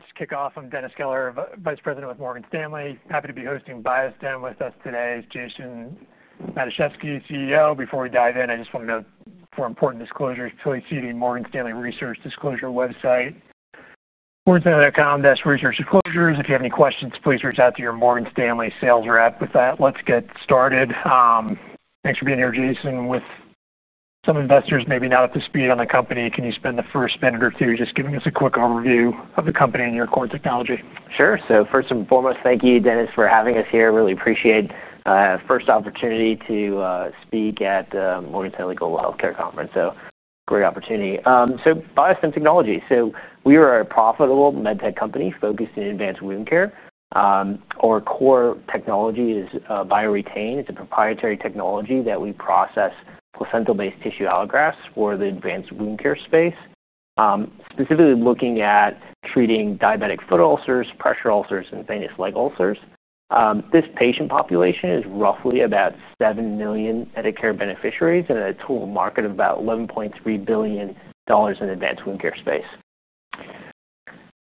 Let's kick off. I'm Dennis Keller, Vice President with Morgan Stanley. Happy to be hosting BioStem Technologies with us today. Jason Matuszewski, CEO. Before we dive in, I just want to note for important disclosures, please see the Morgan Stanley Research Disclosure website, MorganStanley.com, Research Disclosures. If you have any questions, please reach out to your Morgan Stanley sales rep. With that, let's get started. Thanks for being here, Jason. With some investors maybe not up to speed on the company, can you spend the first minute or two just giving us a quick overview of the company and your core technology? Sure. First and foremost, thank you, Dennis, for having us here. I really appreciate the first opportunity to speak at the Morgan Stanley Global Healthcare Conference. Great opportunity. BioStem Technologies, we are a profitable medtech company focused in advanced wound care. Our core technology is BioREtain®. It's a proprietary technology that we process placental-based tissue allografts for the advanced wound care space, specifically looking at treating diabetic foot ulcers, pressure ulcers, and venous leg ulcers. This patient population is roughly about 7 million Medicare beneficiaries and a total market of about $11.3 billion in the advanced wound care space.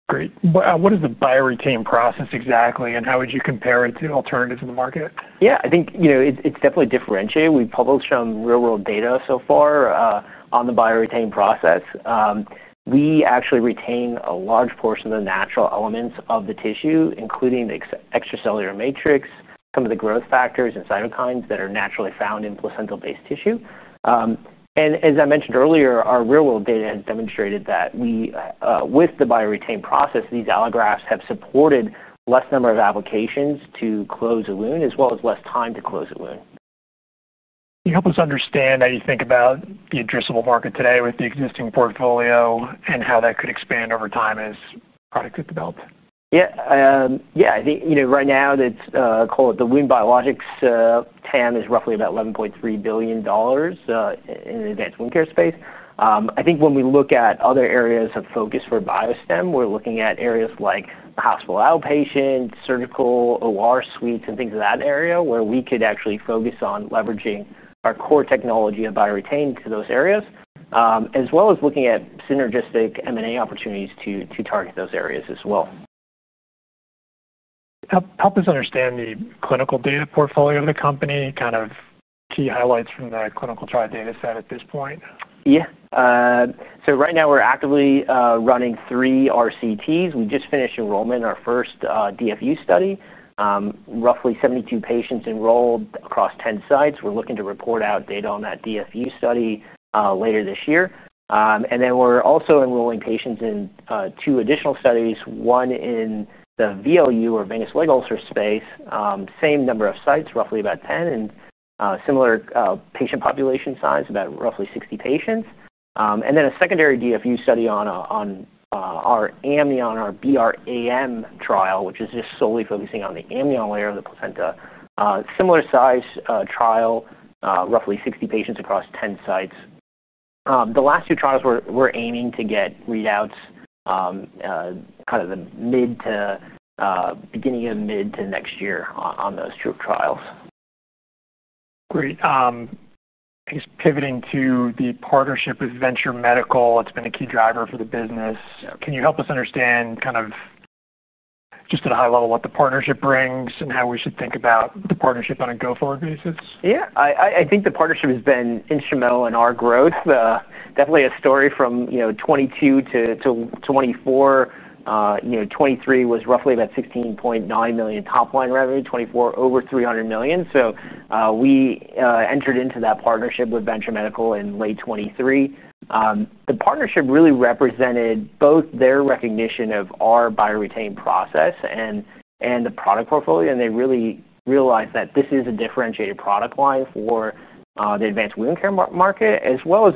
Great. What is the BioREtain® process exactly, and how would you compare it to alternatives in the market? Yeah, I think, you know, it's definitely differentiated. We've published some real-world data so far on the BioREtain® process. We actually retain a large portion of the natural elements of the tissue, including the extracellular matrix, some of the growth factors and cytokines that are naturally found in placental-based tissue. As I mentioned earlier, our real-world data demonstrated that we, with the BioREtain® process, these allografts have supported a less number of applications to close a wound as well as less time to close a wound. Can you help us understand how you think about the addressable market today with the existing portfolio, and how that could expand over time as products get developed? Yeah, I think, you know, right now it's, call it the wound biologics TAM is roughly about $11.3 billion in the advanced wound care space. I think when we look at other areas of focus for BioStem, we're looking at areas like the hospital outpatient, surgical, OR suites, and things of that area where we could actually focus on leveraging our core technology of BioREtain® to those areas, as well as looking at synergistic M&A opportunities to target those areas as well. Help us understand the clinical data portfolio of the company, kind of key highlights from the clinical trial data set at this point. Yeah. Right now we're actively running three RCTs. We just finished enrollment in our first diabetic foot ulcer study, with roughly 72 patients enrolled across 10 sites. We're looking to report out data on that diabetic foot ulcer study later this year. We're also enrolling patients in two additional studies, one in the venous leg ulcer space, same number of sites, roughly about 10, and similar patient population size, about 60 patients. A secondary diabetic foot ulcer study on our AmnioWrap2™, our BRAM trial, is just solely focusing on the amnion layer of the placenta. Similar size trial, roughly 60 patients across 10 sites. The last two trials we're aiming to get readouts kind of the mid to beginning of mid to next year on those two trials. Great. I guess pivoting to the partnership with Venture Medical, it's been a key driver for the business. Can you help us understand kind of just at a high level what the partnership brings and how we should think about the partnership on a go-forward basis? Yeah, I think the partnership has been instrumental in our growth. Definitely a story from, you know, 2022 to 2024. 2023 was roughly about $16.9 million top line revenue, 2024 over $300 million. We entered into that partnership with Venture Medical in late 2023. The partnership really represented both their recognition of our BioREtain® process and the product portfolio, and they really realized that this is a differentiated product line for the advanced wound care market. What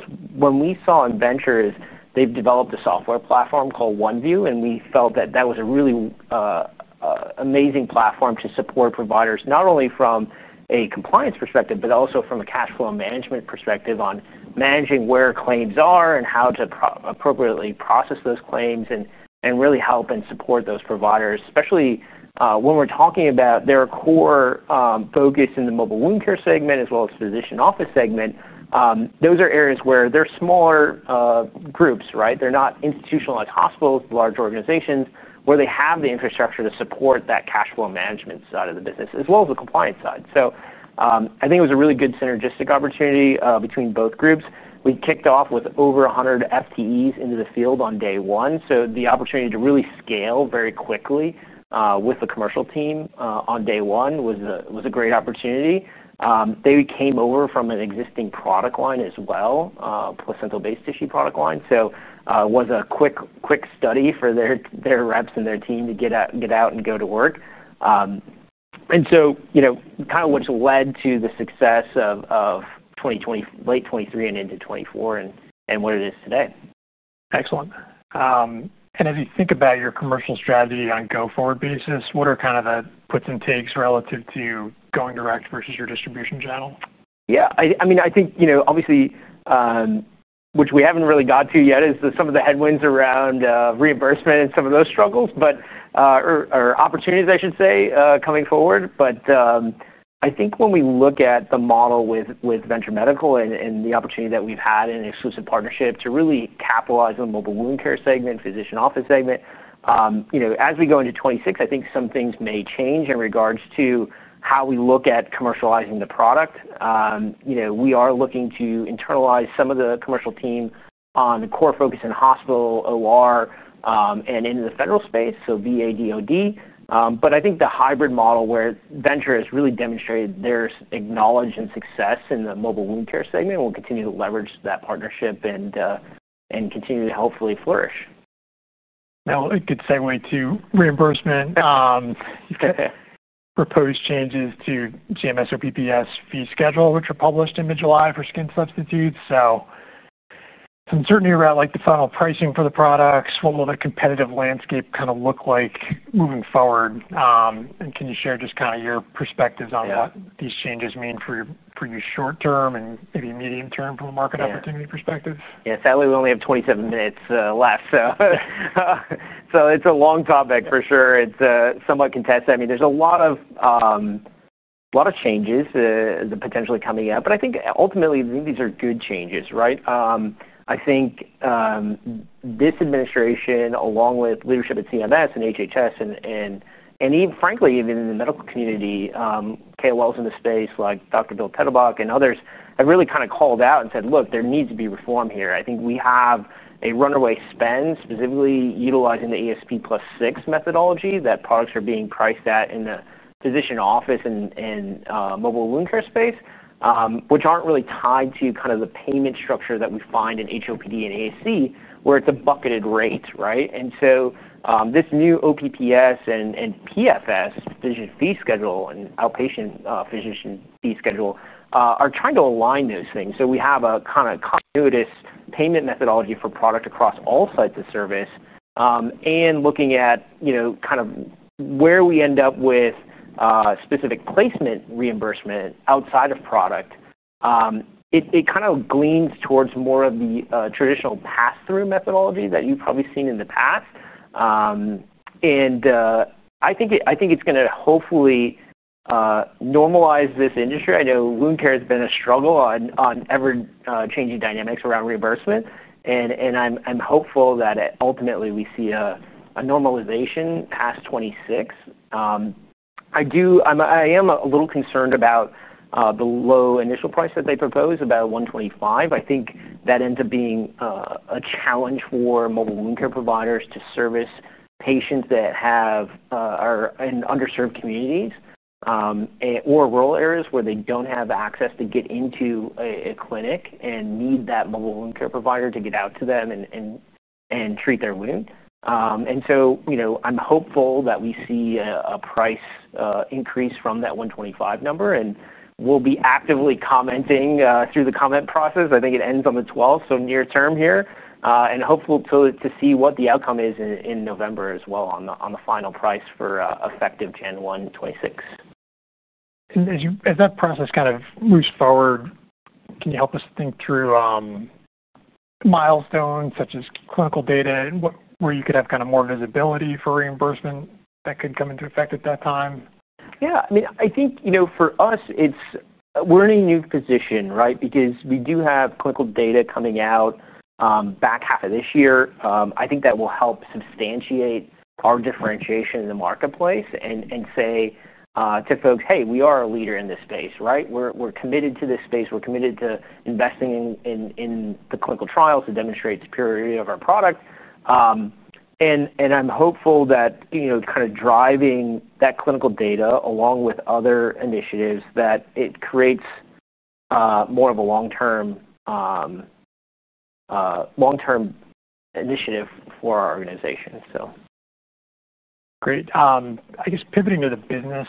we saw in Venture Medical is they've developed a software platform called OneView, and we felt that that was a really amazing platform to support providers not only from a compliance perspective, but also from a cash flow management perspective on managing where claims are and how to appropriately process those claims and really help and support those providers, especially when we're talking about their core focus in the mobile wound care segment as well as physician office segment. Those are areas where they're smaller groups, right? They're not institutionalized hospitals, large organizations where they have the infrastructure to support that cash flow management side of the business as well as the compliance side. I think it was a really good synergistic opportunity between both groups. We kicked off with over 100 FTEs into the field on day one. The opportunity to really scale very quickly with the commercial team on day one was a great opportunity. They came over from an existing product line as well, a placental-based tissue product line. It was a quick study for their reps and their team to get out and go to work, and that's kind of what's led to the success of late 2023 and into 2024 and what it is today. Excellent. As you think about your commercial strategy on a go-forward basis, what are the puts and takes relative to going direct versus your distribution channel? Yeah, I mean, I think, you know, obviously, which we haven't really got to yet is some of the headwinds around reimbursement and some of those struggles, or opportunities, I should say, coming forward. I think when we look at the model with Venture Medical and the opportunity that we've had in an exclusive partnership to really capitalize on the mobile wound care segment, physician office segment, you know, as we go into 2026, I think some things may change in regards to how we look at commercializing the product. You know, we are looking to internalize some of the commercial team on the core focus in hospital, OR, and into the federal space, so VADOD. I think the hybrid model where Venture has really demonstrated their knowledge and success in the mobile wound care segment will continue to leverage that partnership and continue to hopefully flourish. Now, a good segue to reimbursement. You've got proposed changes to CMS or PPS fee schedule, which were published in mid-July for skin substitutes. Some uncertainty around the final pricing for the products. What will the competitive landscape kind of look like moving forward? Can you share your perspectives on what these changes mean for you short term and maybe medium term from a market opportunity perspective? Yeah, sadly, we only have 27 minutes left. It's a long topic for sure. It's somewhat contested. There's a lot of changes potentially coming up. I think ultimately, I think these are good changes, right? I think this administration, along with leadership at CMS and HHS and even, frankly, even in the medical community, KOLs in the space like Dr. Bill Pettibuck and others have really kind of called out and said, "Look, there needs to be reform here." I think we have a runaway spend specifically utilizing the ASP plus six methodology that products are being priced at in the physician office and mobile wound care space, which aren't really tied to the payment structure that we find in HOPD and ASC, where it's a bucketed rate, right? This new OPPS and PFS, physician fee schedule, and outpatient physician fee schedule, are trying to align those things. We have a kind of continuous payment methodology for product across all sites of service. Looking at where we end up with specific placement reimbursement outside of product, it kind of gleans towards more of the traditional pass-through methodology that you've probably seen in the past. I think it's going to hopefully normalize this industry. I know wound care has been a struggle on ever-changing dynamics around reimbursement. I'm hopeful that ultimately we see a normalization past 2026. I am a little concerned about the low initial price that they propose, about $125. I think that ends up being a challenge for mobile wound care providers to service patients that have an underserved community or rural areas where they don't have access to get into a clinic and need that mobile wound care provider to get out to them and treat their wound. I'm hopeful that we see a price increase from that $125 number. We'll be actively commenting through the comment process. I think it ends on the 12th, so near term here. Hopeful to see what the outcome is in November as well on the final price for effective January 2026. As that process kind of moves forward, can you help us think through milestones such as clinical data and where you could have kind of more visibility for reimbursement that could come into effect at that time? Yeah, I mean, I think for us, we're in a new position, right? Because we do have clinical data coming out back half of this year. I think that will help substantiate our differentiation in the marketplace and say to folks, "Hey, we are a leader in this space, right? We're committed to this space. We're committed to investing in the clinical trial to demonstrate the purity of our product." I'm hopeful that driving that clinical data along with other initiatives creates more of a long-term initiative for our organization. Great. I guess pivoting to the business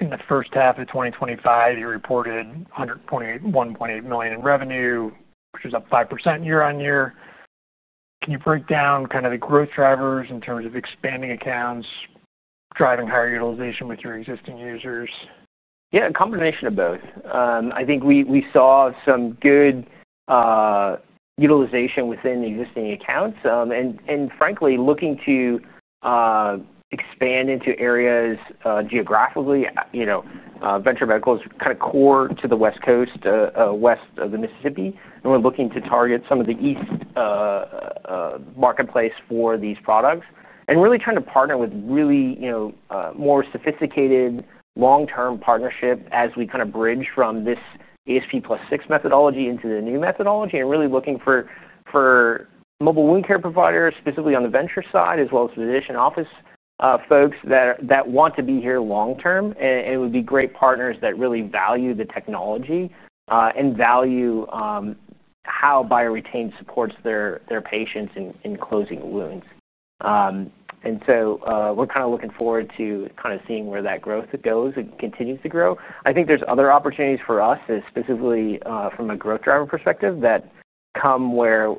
in the first half of 2025, you reported $121.8 million in revenue, which is up 5% year on year. Can you break down kind of the growth drivers in terms of expanding accounts, driving higher utilization with your existing users? Yeah, a combination of both. I think we saw some good utilization within the existing accounts. Frankly, looking to expand into areas geographically, you know, Venture Medical is kind of core to the West Coast, west of the Mississippi. We're looking to target some of the east marketplace for these products. Really trying to partner with more sophisticated long-term partnership as we bridge from this ASP plus six methodology into the new methodology and really looking for mobile wound care providers, specifically on the Venture side, as well as physician office folks that want to be here long term. It would be great partners that really value the technology and value how BioREtain® supports their patients in closing wounds. We're looking forward to seeing where that growth goes and continues to grow. I think there's other opportunities for us, specifically from a growth driver perspective, that come where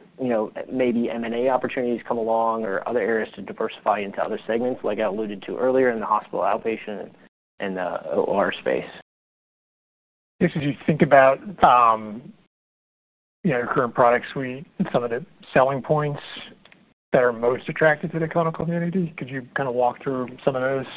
maybe M&A opportunities come along or other areas to diversify into other segments, like I alluded to earlier in the hospital outpatient and the OR space. If you think about your current product suite and some of the selling points that are most attractive to the clinical community, could you walk through some of those?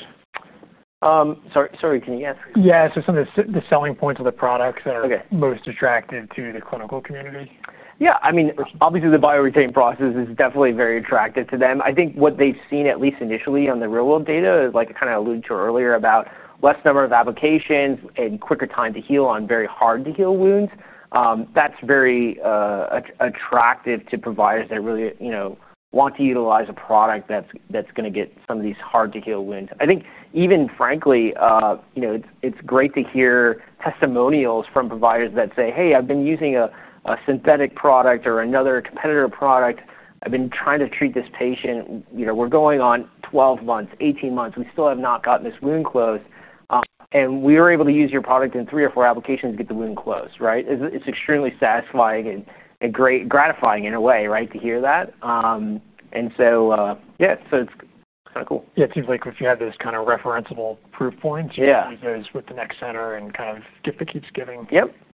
Sorry, can you ask? Yeah, some of the selling points of the products that are most attractive to the clinical community. Yeah, I mean, obviously the BioREtain® process is definitely very attractive to them. I think what they've seen, at least initially on the real-world data, like I kind of alluded to earlier about less number of applications and quicker time to heal on very hard-to-heal wounds, that's very attractive to providers that really want to utilize a product that's going to get some of these hard-to-heal wounds. I think even frankly, you know, it's great to hear testimonials from providers that say, "Hey, I've been using a synthetic product or another competitor product. I've been trying to treat this patient. You know, we're going on 12 months, 18 months. We still have not gotten this wound closed. And we were able to use your product in three or four applications to get the wound closed, right?" It's extremely satisfying and gratifying in a way, right, to hear that. Yeah, it's kind of cool. Yeah, it seems like if you had those kind of referenceable proof points, you'd use those with the next center and kind of get the keeps giving.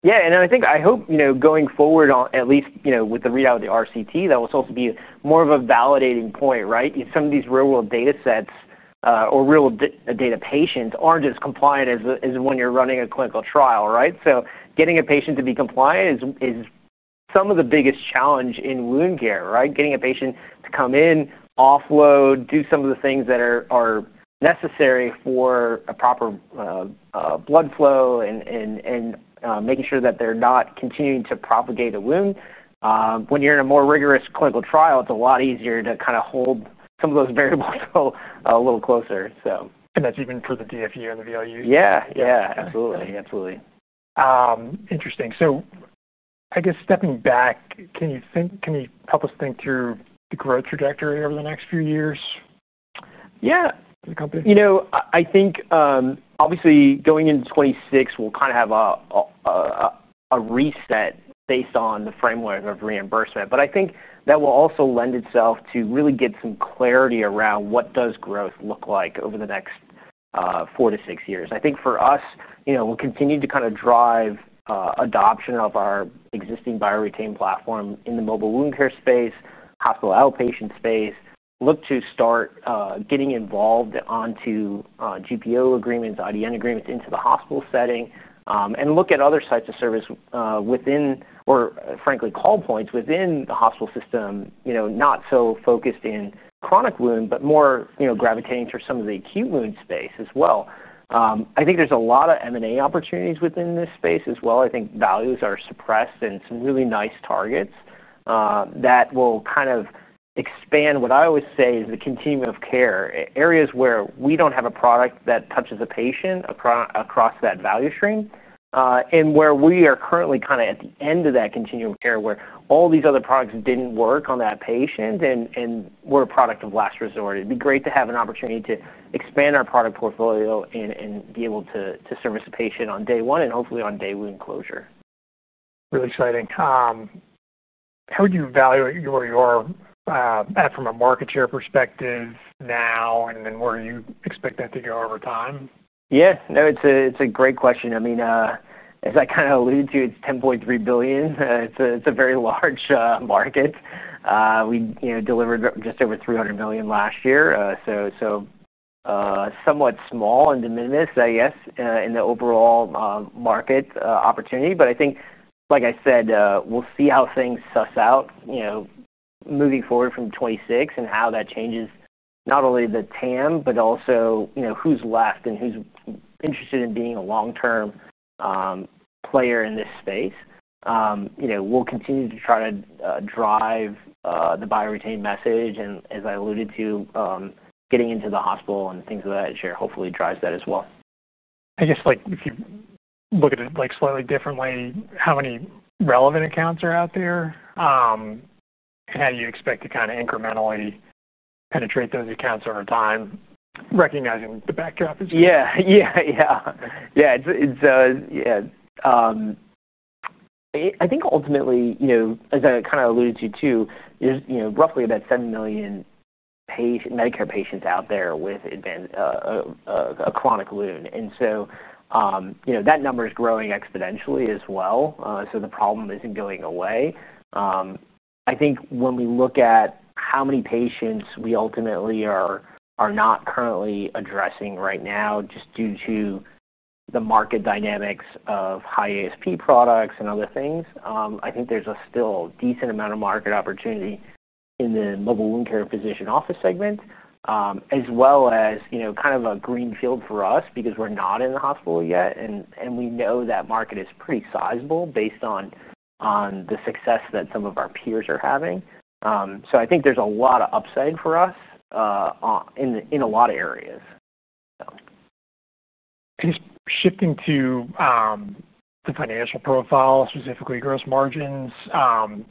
Yeah, and I think I hope, you know, going forward, at least, you know, with the readout of the RCT, that will also be more of a validating point, right? Some of these real-world data sets or real-world data patients aren't as compliant as when you're running a clinical trial, right? Getting a patient to be compliant is some of the biggest challenge in wound care, right? Getting a patient to come in, offload, do some of the things that are necessary for a proper blood flow and making sure that they're not continuing to propagate a wound. When you're in a more rigorous clinical trial, it's a lot easier to kind of hold some of those variables a little closer. even for the diabetic foot ulcer and the venous leg ulcers? Yeah, absolutely. Absolutely. Interesting. I guess stepping back, can you help us think through the growth trajectory over the next few years? Yeah. As a company? I think obviously going into 2026, we'll kind of have a reset based on the framework of reimbursement. I think that will also lend itself to really get some clarity around what does growth look like over the next four to six years. I think for us, we'll continue to kind of drive adoption of our existing BioREtain® platform in the mobile wound care space, hospital outpatient space, look to start getting involved onto GPO agreements, IDN agreements into the hospital setting, and look at other sites of service within, or frankly, call points within the hospital system, not so focused in chronic wound, but more gravitating to some of the acute wound space as well. I think there's a lot of M&A opportunities within this space as well. I think values are suppressed and some really nice targets that will kind of expand what I always say is the continuum of care, areas where we don't have a product that touches a patient across that value stream, and where we are currently kind of at the end of that continuum of care where all these other products didn't work on that patient and were a product of last resort. It'd be great to have an opportunity to expand our product portfolio and be able to service a patient on day one and hopefully on day wound closure. Really exciting. How would you evaluate where you are at from a market share perspective now, and then where you expect that to go over time? Yeah, no, it's a great question. I mean, as I kind of alluded to, it's $10.3 billion. It's a very large market. We delivered just over $300 million last year, so somewhat small and diminished, I guess, in the overall market opportunity. I think, like I said, we'll see how things suss out, you know, moving forward from 2026 and how that changes not only the TAM, but also, you know, who's left and who's interested in being a long-term player in this space. We'll continue to try to drive the BioREtain® message and, as I alluded to, getting into the hospital and things of that nature hopefully drives that as well. I guess if you look at it slightly differently, how many relevant accounts are out there, and how do you expect to kind of incrementally penetrate those accounts over time, recognizing the backdrop? I think ultimately, as I kind of alluded to, there's roughly about 7 million Medicare patients out there with a chronic wound. That number is growing exponentially as well. The problem isn't going away. I think when we look at how many patients we ultimately are not currently addressing right now just due to the market dynamics of high ASP products and other things, I think there's still a decent amount of market opportunity in the mobile wound care physician office segment, as well as kind of a green field for us because we're not in the hospital yet. We know that market is pretty sizable based on the success that some of our peers are having. I think there's a lot of upside for us in a lot of areas. Shifting to the financial profile, specifically gross margins,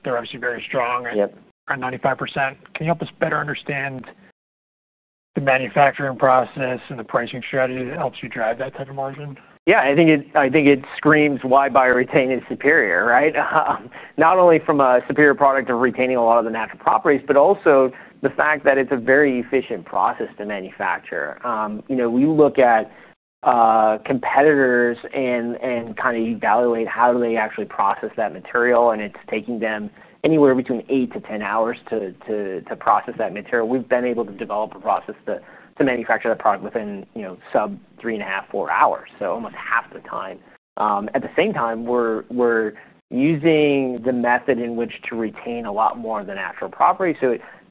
they're obviously very strong at 95%. Can you help us better understand the manufacturing process and the pricing strategy that helps you drive that type of margin? Yeah, I think it screams why BioREtain® is superior, right? Not only from a superior product of retaining a lot of the natural properties, but also the fact that it's a very efficient process to manufacture. We look at competitors and kind of evaluate how they actually process that material, and it's taking them anywhere between eight to 10 hours to process that material. We've been able to develop a process to manufacture that product within, you know, sub 3.5, 4 hours. Almost half the time. At the same time, we're using the method in which to retain a lot more of the natural property.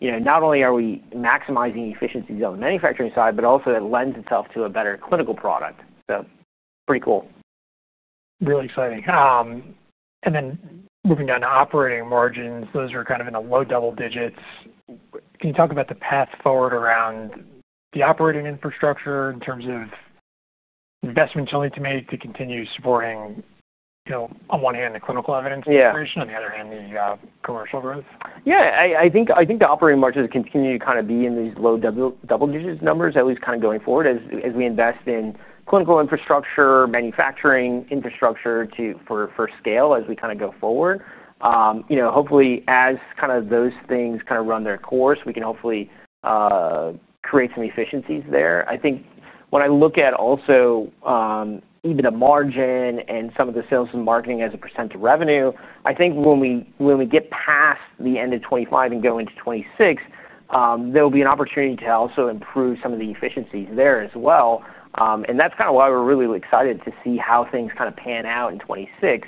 Not only are we maximizing efficiencies on the manufacturing side, but also that lends itself to a better clinical product. Pretty cool. Really exciting. Moving down to operating margins, those are kind of in the low double digits. Can you talk about the path forward around the operating infrastructure in terms of investments you'll need to make to continue supporting, you know, on one hand, the clinical evidence integration, on the other hand, the commercial growth? Yeah, I think the operating margins continue to kind of be in these low double-digit numbers, at least kind of going forward as we invest in clinical infrastructure, manufacturing infrastructure for scale as we kind of go forward. Hopefully, as kind of those things kind of run their course, we can hopefully create some efficiencies there. I think when I look at also even a margin and some of the sales and marketing as a % of revenue, I think when we get past the end of 2025 and go into 2026, there'll be an opportunity to also improve some of the efficiencies there as well. That's kind of why we're really excited to see how things kind of pan out in 2026,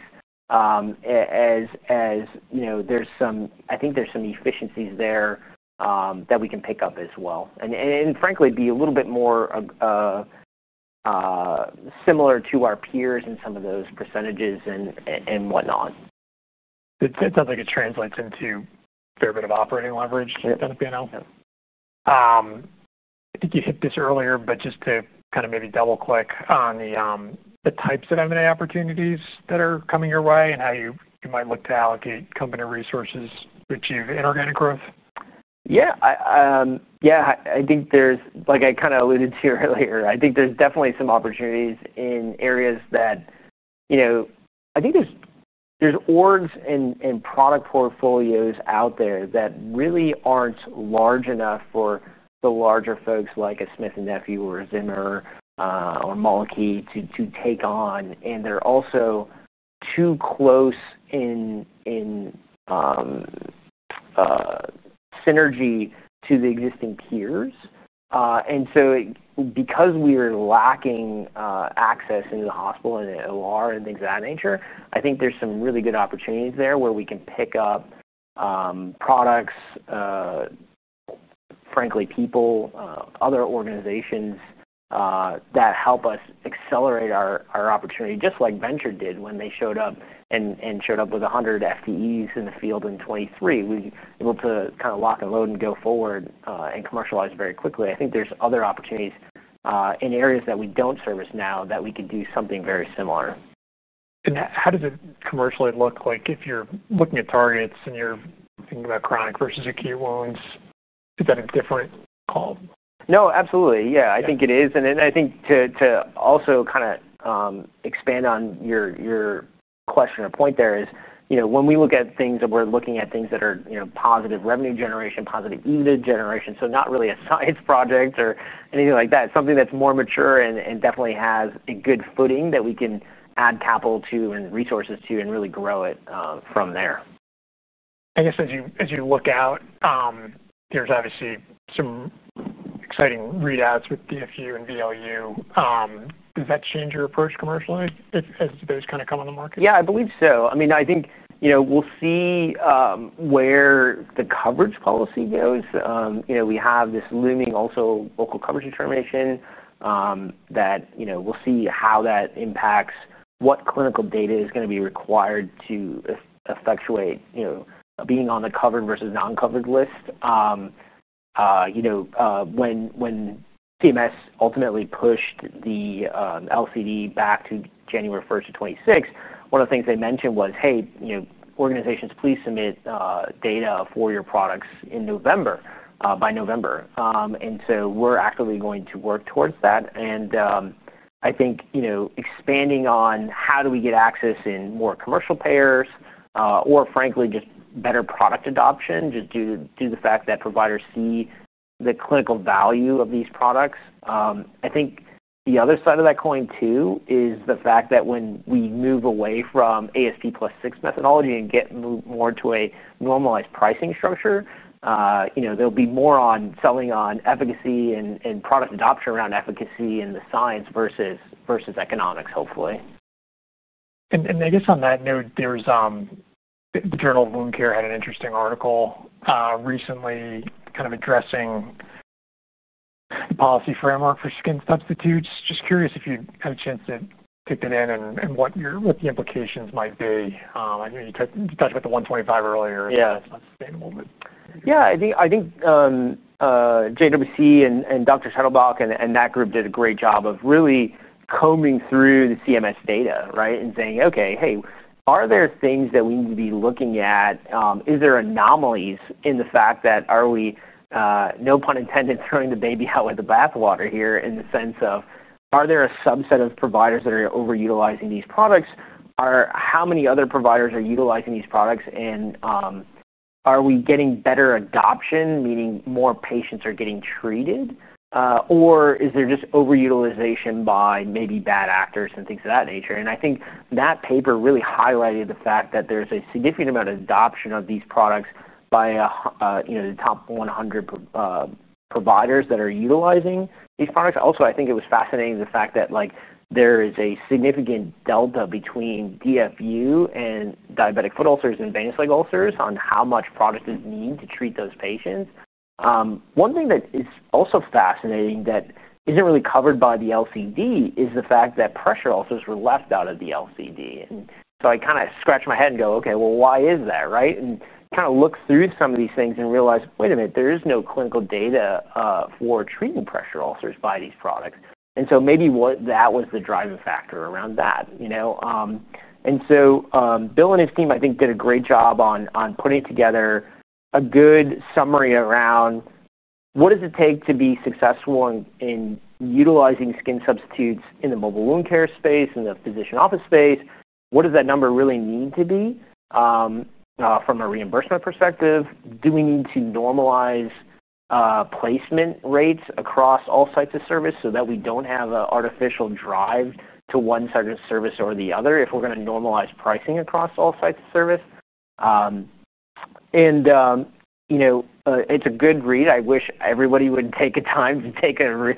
as you know, I think there's some efficiencies there that we can pick up as well. Frankly, be a little bit more similar to our peers in some of those percentages and whatnot. That sounds like it translates into a fair bit of operating leverage to kind of pan out. I think you hit this earlier, but just to maybe double click on the types of M&A opportunities that are coming your way and how you might look to allocate company resources to achieve inorganic growth. Yeah, I think there's, like I kind of alluded to earlier, I think there's definitely some opportunities in areas that, you know, I think there's orgs and product portfolios out there that really aren't large enough for the larger folks like a Smith & Nephew or a Zimmer or a Mölnlycke to take on. They're also too close in synergy to the existing peers. Because we are lacking access into the hospital and the OR and things of that nature, I think there's some really good opportunities there where we can pick up products, frankly, people, other organizations that help us accelerate our opportunity, just like Venture did when they showed up and showed up with 100 FTEs in the field in 2023. We were able to kind of lock and load and go forward and commercialize very quickly. I think there's other opportunities in areas that we don't service now that we could do something very similar. How does it commercially look like if you're looking at targets and you're thinking about chronic versus acute wounds? Is that a different call? No, absolutely. I think it is. I think to also kind of expand on your question or point, when we look at things and we're looking at things that are positive revenue generation, positive EBITDA generation, not really a science project or anything like that, something that's more mature and definitely has a good footing that we can add capital to and resources to and really grow it from there. I guess as you look out, there's obviously some exciting readouts with diabetic foot ulcer and venous leg ulcer. Does that change your approach commercially as those kind of come on the market? Yeah, I believe so. I mean, I think we'll see where the coverage policy goes. We have this looming also local coverage determination that we'll see how that impacts what clinical data is going to be required to effectuate being on the covered versus non-covered list. When CMS ultimately pushed the LCD back to January 1, 2026, one of the things they mentioned was, "Hey, organizations, please submit data for your products in November, by November." We're actively going to work towards that. I think expanding on how do we get access in more commercial payers or frankly just better product adoption just due to the fact that providers see the clinical value of these products. I think the other side of that coin too is the fact that when we move away from ASP plus 6 methodology and get more into a normalized pricing structure, there'll be more on selling on efficacy and product adoption around efficacy and the science versus economics, hopefully. I guess on that note, the Journal of Wound Care had an interesting article recently kind of addressing the policy framework for skin substitutes. Just curious if you had a chance to kick it in and what the implications might be. I know you talked about the 125 earlier. Yeah, it's not sustainable. I think JWC and Dr. Tuttlebach and that group did a great job of really combing through the CMS data, right, and saying, "Okay, hey, are there things that we need to be looking at? Is there anomalies in the fact that are we, no pun intended, throwing the baby out with the bathwater here in the sense of are there a subset of providers that are overutilizing these products? How many other providers are utilizing these products? Are we getting better adoption, meaning more patients are getting treated? Or is there just overutilization by maybe bad actors and things of that nature?" I think that paper really highlighted the fact that there's a significant amount of adoption of these products by, you know, the top 100 providers that are utilizing these products. I think it was fascinating the fact that there is a significant delta between DFU and diabetic foot ulcers and venous leg ulcers on how much product is needed to treat those patients. One thing that is also fascinating that isn't really covered by the LCD is the fact that pressure ulcers were left out of the LCD. I kind of scratch my head and go, "Okay, why is that?" Right? I kind of look through some of these things and realize, "Wait a minute, there is no clinical data for treating pressure ulcers by these products." Maybe that was the driving factor around that, you know. Bill and his team, I think, did a great job on putting together a good summary around what does it take to be successful in utilizing skin substitutes in the mobile wound care space and the physician office space. What does that number really need to be from a reimbursement perspective? Do we need to normalize placement rates across all sites of service so that we don't have an artificial drive to one side of the service or the other if we're going to normalize pricing across all sites of service? It's a good read. I wish everybody would take the time to read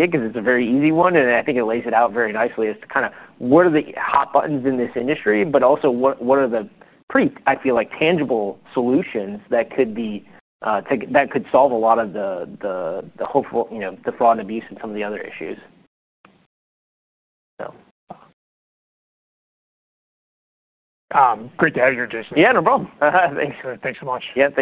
it because it's a very easy one. I think it lays it out very nicely as to what are the hot buttons in this industry, but also what are the pretty, I feel like, tangible solutions that could solve a lot of the hopeful, you know, the fraud and abuse and some of the other issues. Great to have you here, Jason. Yeah, no problem. Thanks so much. Yeah.